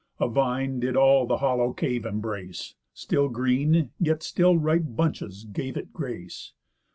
A vine did all the hollow cave embrace, Still green, yet still ripe bunches gave it grace.